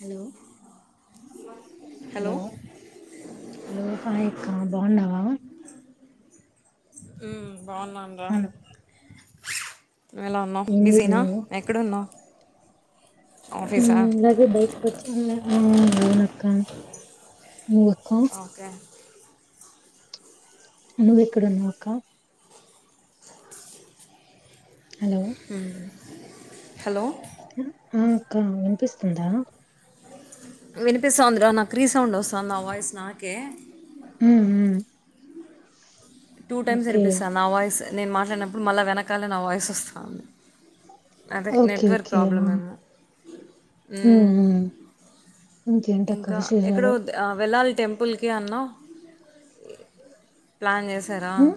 Hello hello hello hi అక్క బాగున్నావా హ్మ్ బాగున్నాను రా ఎలా ఉన్నావ్ ఏం బిజీనా చేస్తున్నావు ఎక్కడ ఉన్నావ్ అలాగే బయటకు వచ్చి అవునక్క అక్క ఓకే నువ్వెక్కడ ఉన్నావ్ అక్క హలో హుమ్ హ్మ్మ్ ఆ అక్క వినిపిస్తుందా వినిపిస్తంది రా నాకి రీ సౌండ్ వస్తుంది నా వాయిస్ నాకే హుహుమ్ టూ టైమ్స్ వినిపిస్తా నా వాయిస్ నేను మాట్లాడినప్పుడు మళ్ళా వెనకాల నా వాయిస్ వస్తంది అదే ఓకే నెట్వర్క్ ఓకే ప్రాబ్లమ్ ఏమో మ్మ్ హ్మ్మ్ మ్మ్ ఇంకేంటక్క ఇంకా ఎక్కడో విశేషాలు వెళ్ళాలి టెంపుల్కి అన్నవ్ ప్లాన్ చేశారా ఉమ్,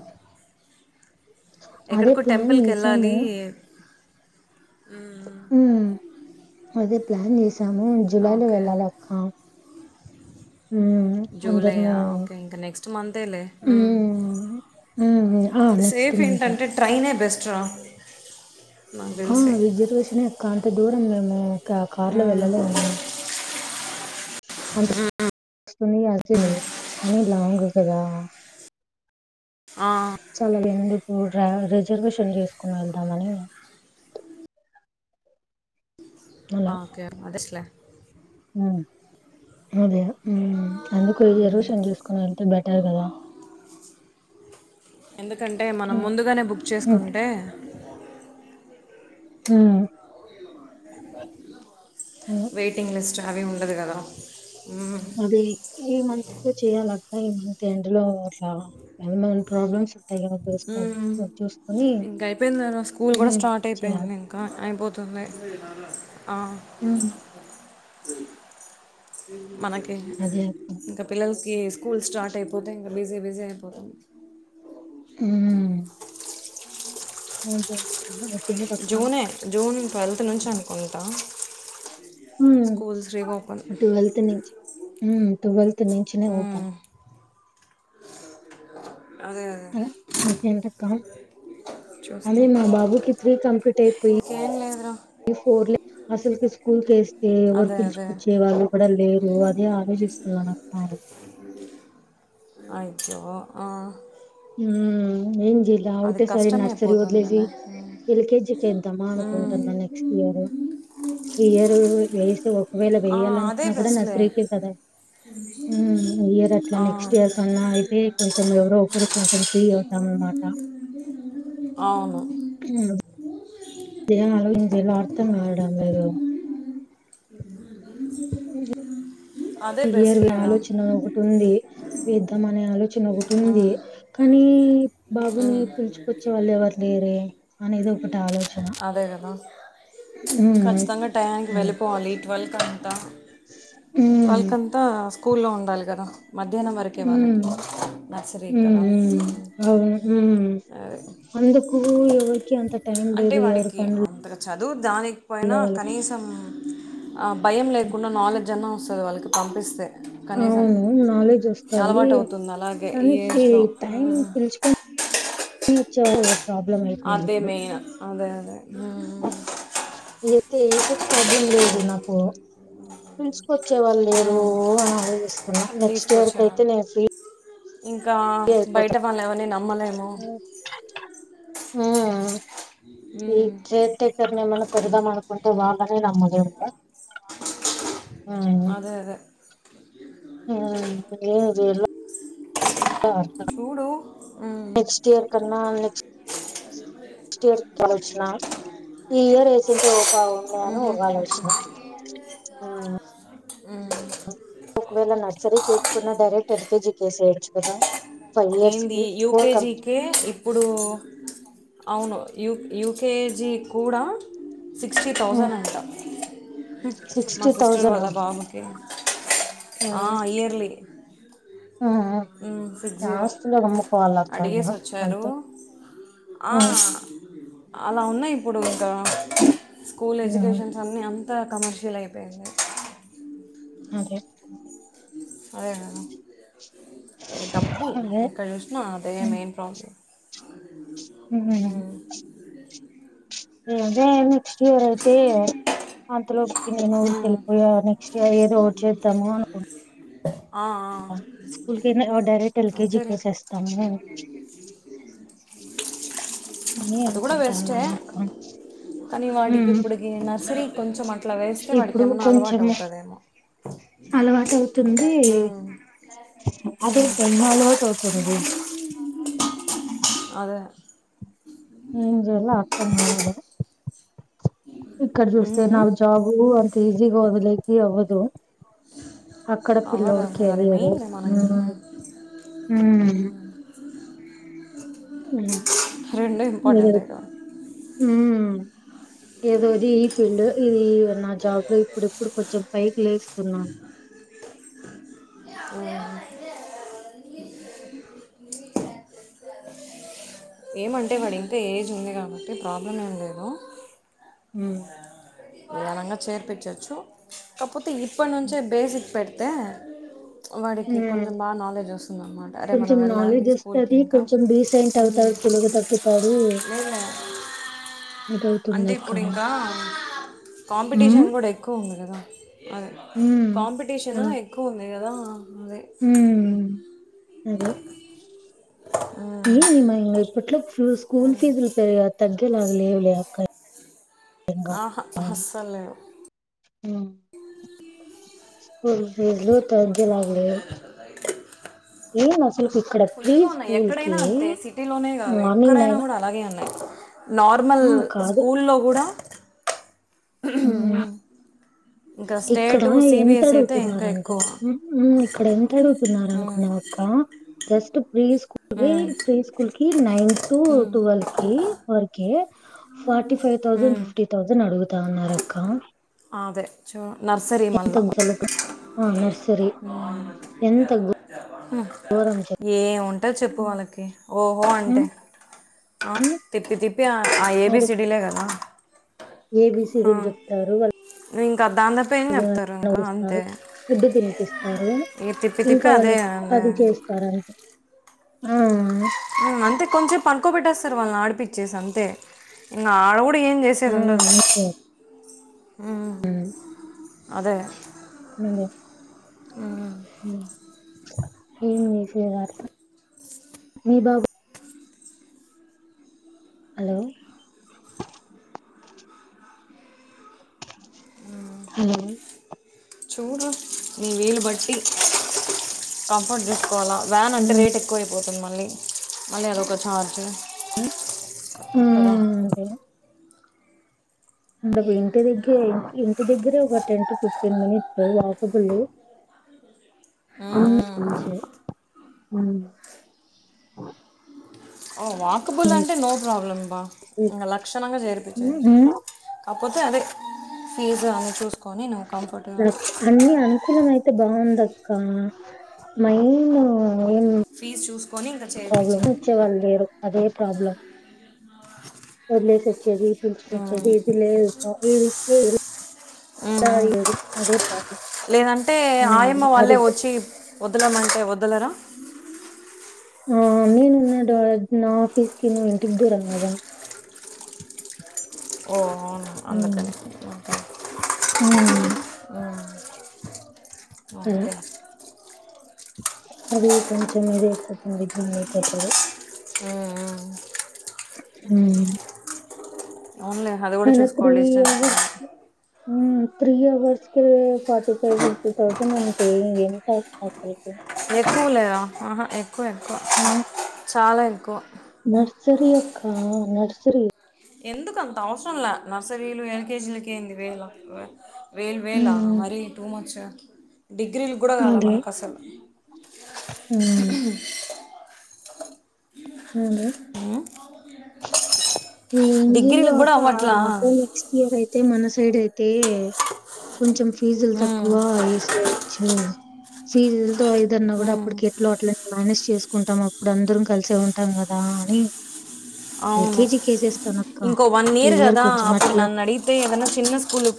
అదే ఎక్కడికో ప్లాన్ చేసాము టెంపుల్కియెల్లాలి మ్మ్ హ్మ్మ్ అదే ప్లాన్ చేసాము జూలైలో ఓకే వెళ్ళాలక్క జూలయ్యా ఓకే ఇంకా నెక్స్ట్ మంతేలే మ్మ్ మ్మ్ ఆ నెక్స్ట్ సేఫ్ మంతే ఏంటంటే ట్రైనే బెస్ట్ రా నాకు ఆ తెలిసి రిజర్వేషనెక్క అంత దూరం మేము కార్ లో వెళ్ళలేము అంటే వస్తుంది అదే మీ కానీ లాంగ్ కదా ఆ, చా అలా ఎందుకు రిజర్వేషన్ చేసుకుని వెళ్దామని అలా ఓకే అదెట్ల అదే అందుకు ఇ రోషన్ చూసుకుని వెళ్తే బెటర్ కదా ఎందుకంటే మనం ఉమ్, ముందుగానే బుక్ ఉమ్, చేసుకుంటే హ్మ్మ్ వెయిటింగ్ లిస్ట్ అవి ఉండదు కదా అది ఈ మంత్ లో చేయాలక ఈ మంత్ ఎండ్ లో అట్లా ప్రాబ్లమ్స్ ఉంటాయి కదా బేస్ హుమ్ ప్రాబ్లమ్స్ చూసుకొని ఇంక అయిపోయింది నాన స్కూల్ కూడా ఉమ్, స్టార్ట్ చేయాలి అయిపోయింది ఇంకా అయిపోతు ఉంది ఆ ఉమ్, మనకి అదే అక్క ఇంకా పిల్లలు ఇ స్కూల్ స్టార్ట్ అయిపోతే ఇంకా బిజీ బిజీ అయిపోతుంది హ్మ్మ్ [inaudible] జూనే జూన్ ట్వెల్త్ నుంచి అనుకుంటా హుమ్ స్కూల్స్ రీఓపెన్ ట్వెల్త్ నుంచి హ్మ్ము ట్వెల్త్ నుంచినే ఓపన్ అదే అదే మీకేంటక్క అదే మా బాబుకిి త్రీ కంప్లీట్ అయిపోయి ఇంక ఏం లేదు రా ఫోర్ అసలు స్కూల్ కేస్ అతే ఎవరు అదే అదే పిలుచుకొచ్చే వాళ్ళు కూడా లేరు అది ఆలోచిస్తున్నాను అక్క [unintelligible] అయ్యో ఆ హ్మ్మ్ ఏం లా అది ఒకటేసారి నర్సరీ వదిలేసి కష్టమైపోతుందిలే ఎల్కేజీకి ఎద్దామా ఉమ్. అనుకుంటున్నా నెక్స్ట్ ఇయర్ ఇయరు వేసి ఒకవేళ ఆ, వేయాల అదే అనుకున్నా కూడా బెస్ట్లే నర్సరీ కే కదా హ్మ్మ్ ఇయర్ అట్లా ఆ, నెక్స్ట్ ఇయర్ కన్నా అయితే కొంచెం ఎవరో అప్పుడు కొంచెం ఫ్రీ అవుతానన్న మాట అవును [unintelligible] ఇలా అర్థం కావడం లేదు అ అదే క్లియర్ గా బెస్ట్లేరా ఆలోచన ఒకటి ఉంది వేద్దాం అనే ఆలోచన ఒకటి ఉంది ఉమ్, కానీ బాబుని ఉమ్, పిలుచుకొచ్చే వాళ్ళు ఎవరు లేరే అనేది ఒకటి ఆలోచన అదే కదా ఉమ్ ఖచ్చితంగా టైఆకి ఉమ్ వెళ్ళిపోవాలి ట్వెల్ క ఉమ్ ట్వెల్త్ అంతా స్కూల్లో ఉండాలి కదా మధ్యాహ్నం వరకే వాళ్ళకి నర్సరీ ఉమ్ కదా ఉమ్ అవును ఉమ్ ఆ అందుకు ఎవరికి అంత టైం లేదు ఎవరు వాడికి పనులు అంతగా చదువు దానికి పోయినా కనీసం ఆ భయం లేకుండా నాలెడ్జ్ అన్న వస్తది వాళ్ళకి పంపిస్తే కనీసం అవును నాలెడ్జ్ వస్తది అలవాటు అవుతుంది అలాగే ఈ కానీ కి ఏజ్లో టైం ఉమ్, పిలుచుకొని చారు ప్రాబ్లమ్ అదే అయిపైనపుడు మెయిన్ అదే అదే ఉమ్, ఏయితే ఏసిక్ ప్రాబ్లం లేదు నాకు వచ్చే వాళ్ళు లేరు ఉమ్, అని ఆలోచిస్తున్నా నెక్స్ట్ ఇయర్ కి తీసుకొచ్చాను అయితే నేను ఫ్రీ ఇంకా బయట అయిపోతా వాళ్లు ఎవరిని నమ్మలేము ఉ ఈ ఉమ్, చత కర్మల్ని పెడుదాం మానుకుంటే వాల్ అనే నమ్మలేము ఉమ్ అదే అదే ఏం చేయాలో చూడు ఉ నెక్స్ట్ స్టేత్ ఆలోచనా ఈ ఇయర్ వేసించె ఓ బాగున్నాను అని ఉగాళ వేసిన ఉ ఒకవేళ నర్సరీ కేకు పోయిన డైరెక్ట్ ఎల్ కేజీ కేసేయొచ్చు కదా ఫైవ్ ఇయర్స్ ఏంది కి ఫోర్ కం యూకేజీ కే ఇప్పుడు అవును యు యూకేజీ కూడా సిక్స్టీ థౌజండ్ అంట మా సిక్స్టీ సిస్టర్ థౌజండ్ వాళ్ళ బాబు కి ఆ ఇయర్లీ ఉ జీరో ఆస్తులకు అమ్ముకోవాలక్క ఇంగ అడిగేసి వచ్చారు అంతే ఆ అలా ఉన్నాయి ఇప్పుడు ఇంకా స్కూల్ ఉమ్ ఎడ్యుకేషన్స్ అన్నీ అం త కమర్షియల్ అయిపోయింది ఓకే అదే మేడం డబ్బు అదే ఎక్కడ చూసినా అదే మెయిన్ ప్రాబ్లమ్ ఉహు వ అదే నెక్స్ట్ ఇయర్ అయితే అంతలో ఒకటి నేను ఊరికెళ్ళిపోయానే ఏదో ఒకటి చేద్దాము అనుకును [inaudible] స్కూల్ కైనా డైరెక్ట్ ఎల్కేజీ అంతేలే కేసేస్తాము అది కూడా వెస్ట్ ఉన్నాను అక్క కనీవాడికి ఉమ్ ఇప్పుడుకి నర్సరి ఇప్పుడు కొంచెము అవుతుందేమో అలవాటు అవుతుం ది ఉమ్, అదే ఉమ్, పెన్ అలవాటు అవుతుంది అదే ఏం జెయల్లో అర్ధం కావాలే ఇక్కడ చూస్తే ఉమ్, నాకు జాబు అంత ఈజీగా వదిలేకి అవ్వదు అక్కడ అవ్వదు పిల్లోడు అవ్వదు. అది కెరీయరు మెయిన్ ఉ మనకి ఉ ఉ రెండు మెదడు ఇంపార్టెంటే కదా ఉ ఏదోది ఈ ఫీల్డ్ ఇదియ్ నా జాబ్ లో ఇప్పుడు ఇప్పుడు కొంచెం పైకి లేస్తున్నాను ఉ అం ఏమంటే వాడి ఇంత ఏజ్ ఉంది కాబట్టి ప్రాబ్లం ఏం లేదు ఉ ప్రదానంగా చేర్పించవచ్చు కాపోతే ఇప్పటి నుంచే బేసిక్ పెడు తే వాడికి కొంచెం బాగా నాలెడ్జ్ వస్తుందన్నమాట అరే మనం కొంచెం వెళ్ళాలి నాలెడ్జ్ స్కూల్కి ఇంకా తనుగ తగ్గుతాడు లేదు మ గౌతుమ్ల అంటే కా ఇప్పుడు ఇంకా కాంపిటీషన్ కూడా ఎక్కువ ఉంది కదా అద కాంపిటీషన్ ఎక్కువ ఉంది కదా అదే హమ్ అధే మ్మ్. ఏమిమా ఇ ఇప్పట్లో స్కూల్ ఫీజులు పెరిగా తగ్గేలా లెవ్ లీ అక్కా ఆహ అస్సలేవు ఉమ్ స్కుల్ ఫీస్లు థగ్గేల లెవు ఏన్ అసలు ఇక్కడ ప్రీ ఫుల్గా ఉన్నాయి స్కూల్ ఎక్కడైనా కి అంతే సిటీలోనే కాదు మార్నింగ్ ఎక్కడైనా నైన్ కూడా అలాగే ఉన్నాయి నార్మల్ ఆ కాదు స్కూల్లో కూడా అ ఉమ్ ఇక్కడ ఎంత అయితే ఇంకా అడుగుతున్నారంటే ఎక్కువ ఇక్కడ ఎంత అడుగుతున్నారు మ్మ్. అనుకున్నా అక్క జస్ట్ ప్రీ స్కూల్ కి మ్మ్. ప్రీ స్కూల్ కి నైన్ టు మ్మ్. ట్వల్ కి వరకి ఫార్ ఫైవ్ తౌసండ్ మ్మ్. ఫిఫ తౌసండ్ అడుగుతాన్నారురక్క అదే చో ఎంత నర్సి ఓ అ ఘోరం చెప్ ఏ ఉంటా చెప్పు వాళ్ళకి ఓహో అంటే హ్మ్. ఆ హ్మ్. తిప్పి తిప్పి ఆ ఏబి సిడీలే కదా ఏబి ఆ, సీడిల్ చెప్తారు వాళ్ళ ఇంకా దాన్నపైనే చెప్తారు ఇంకా అంతే ఫుడ్డు తినిపిస్తారు ఈ తిప్పి తిప్పి ఇంకా అదే వాళ్ళని అంటే అది చేస్తారంటే ఆ అంతే కొంచెం పడుకో పెట్టేస్తారు వాళ్ళని ఆడిపిచ్చేసి అంతే ఇంకా ఆడ కూడా ఇప్పుడు ఏం ఆ! చేసేది ఉండదు అంతే. హ్మ్. అదే అదే. ఏం చేస వార్త మీ బాబ హలో హలో చూడు నీ వేలు బట్టి కంఫర్ట్ డ్రెస్ వ్యాన్ అంటే రేట్ ఎక్కువైపోతుంది మళ్ళీ మళ్ళీ అదొక ఛార్జ్ కదా ఉమ్ ఇంథకు ఎంటి ఇధి ఇంటి దగ్గరే ఒక ten to fifteen minutes walkable um [unintelligible] walkable అంటే నో ప్రాబ్లమ్ బా ఇంకా లక్షణంగా చెర్పిన్‌చచ్చు కొపోతే అదే ఫీజ్ అము చూసు అన్ని అనుకూలమ అతే బాగుంద అక్క మైన్ ఫీజు చూసుకొని ఇంకా ప్రాబ్లమ్ చేర్పించాలి వచ్చే వాళ్ళు లేరు అదే ప్రాబ్లం వదిలేసి వచ్చేది పిలుచుకొచ్చేది ఇది లేదు ఇది [unintelligible] లేదంటే ఆయమ్మ అది వాళ్ళే వచ్చి వదలమంటే వదలరా ఆ నేనున్నాడు నా ఆఫీస్ కి నువ్వు ఇంటికి దూరం కదా ఓ అవును అందుకని ఉమ్ అలా ఓకే అది కొంచెం ఏది ఎయిపోతుంది బన్ అయిపోతుంది ఉమ్, హ అవునులే అది కూడా చూసుకోవాలి డిస్టెన్స్ [unintelligible] త్రీ అవర్స్ క ఫార్టీ ఫైవ్ ఫిఫ్టీ థౌజండ్ అంటే ఏం త అసలు ఎక్కువ లేదు ఆహా ఎక్కువ ఎక్కువ ఉమ్ చాలా ఎక్కువ సరి అక్క నర్సరి ఎందుకు అంత అవసరం లే నర్సరీలు ఎల్కేజీలక అయింది వేల వేలు వేలా ఉమ్ మరిీ టూ మచ్ డిగ్రీలు కూడా కాలి అదే మనకు అసలు ఉమ్ అవు డిగ్రీలకు కూడా అవ్వట్లా అే నెక్స్ట్ ఇయర్ అయితే మన సైడ్ అయితే కొంచెం ఫీజులు ఉమ్, తక్కువ వేసేయచ్చు ఫీజు తతో ఏదన్నా కూడా ఉమ్, అప్పటికి ఎట్లా అట్ల మేనేజస్ చేసుకుంటాం అప్పుడు అందరం కలిసే ఉంట కలిసి ఉంటాం కథ అని అవును ఎల్కెజీ కేసెస్ ఇంకో వన్ ఇయర్ కదా అప్పుడు న నడిగితే ఏదన్నా చిన్న స్కూల్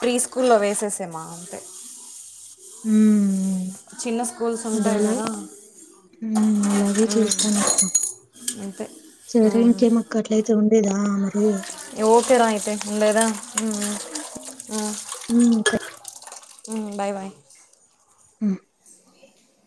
ప్రీ స్కూల్ లో వేస త్తసేమా అంటే హ చిన్న స్కూల్స్ ఉంటాయి కదా అలాగే చేస్తాన అక్క అంతే సరే ఉమ్ ఇంకేమక్క అట్లయితే ఉండేదా మరి ఓకే రా అయితే ఉందేదా ఉ స బాయ్ బాయ్ ఆ